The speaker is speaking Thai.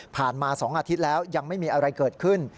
มา๒อาทิตย์แล้วยังไม่มีอะไรเกิดขึ้น